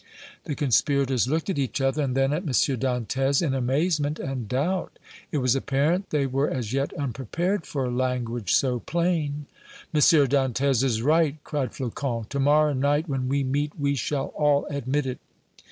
'" The conspirators looked at each other and then at M. Dantès in amazement and doubt. It was apparent they were as yet unprepared for language so plain. "M. Dantès is right!" cried Flocon. "To morrow night when we meet we shall all admit it!"